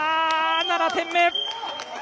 ７点目！